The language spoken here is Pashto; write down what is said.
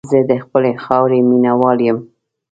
زه د خپلې خاورې مینه وال یم.